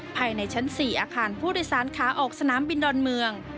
ภายในชั้น๔อาคารผู้โดยสารขาออกสนามบินดอนเมือง